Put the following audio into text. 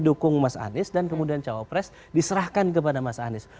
dukung mas anies dan kemudian cawapres diserahkan kepada mas anies